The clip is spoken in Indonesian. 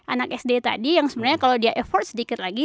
anak sd tadi yang sebenarnya kalau dia effort sedikit lagi